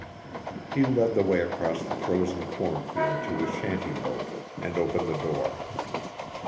He led the way across the frozen corn field to his shanty boat, and opened the door.